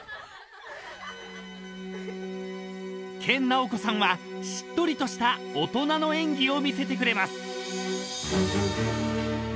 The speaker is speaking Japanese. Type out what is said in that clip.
［研ナオコさんはしっとりとした大人の演技を見せてくれます］